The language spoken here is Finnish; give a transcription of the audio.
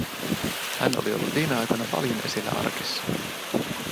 Hän oli ollut viime aikoina paljon esillä arkissa.